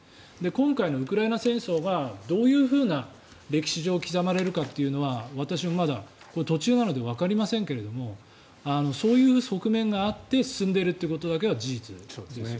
今回のウクライナ戦争がどう歴史上刻まれるかというのは私も、まだ途中なのでわかりませんけれどもそういう側面があって進んでいるということだけは事実ですね。